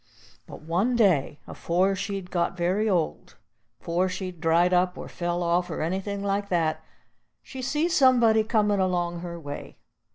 But one day, afore she'd got very old, 'fore she'd dried up or fell off, or anything like that, she see somebody comin' along her way.